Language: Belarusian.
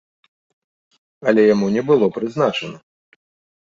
Але яму не было прызначана.